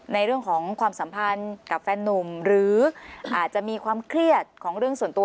ในเรื่องของความสัมพันธ์กับแฟนนุ่มหรืออาจจะมีความเครียดของเรื่องส่วนตัว